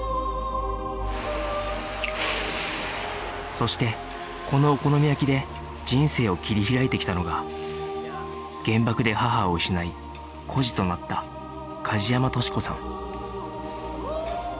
そしてこのお好み焼きで人生を切り開いてきたのが原爆で母を失い孤児となった梶山敏子さん